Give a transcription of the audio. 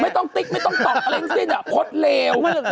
ไม่ต้องติ๊กไม่ต้องตอบเร่งสิ้นอ่ะพจน์เลว